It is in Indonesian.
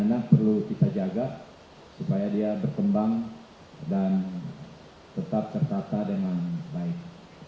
dan ini anda perlu kita jaga supaya dia berkembang dan tetap tertata dengan baik